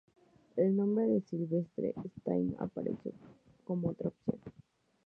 El nombre de Sylvester Stallone apareció como otra opción.